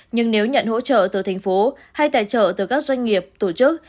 nhưng nếu nhận hỗ trợ từ thành phố hay tài trợ từ các doanh nghiệp tổ chức